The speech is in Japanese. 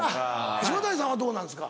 島谷さんはどうなんですか？